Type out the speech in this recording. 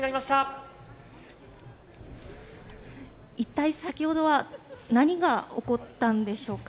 一体先ほどは何が起こったんでしょうか？